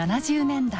８０年代。